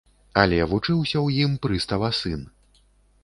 Але вучыўся ў ім прыстава сын.